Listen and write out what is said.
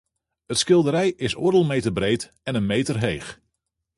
It skilderij is oardel meter breed en in meter heech.